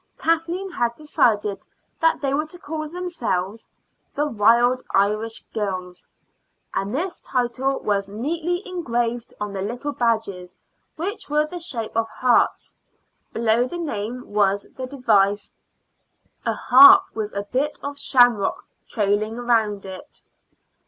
Kathleen had decided that they were to call themselves "The Wild Irish Girls," and this title was neatly engraved on the little badges, which were of the shape of hearts. Below the name was the device a harp with a bit of shamrock trailing round it.